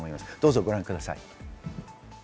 ご覧ください。